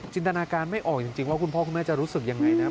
จินตนาการไม่ออกจริงว่าคุณพ่อคุณแม่จะรู้สึกอย่างไรนะ